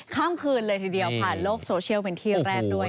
ข้ามคืนเลยทีเดียวผ่านโลกโซเชียลเป็นที่แรกด้วย